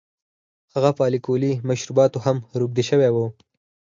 هغه په الکولي مشروباتو هم روږدی شوی و.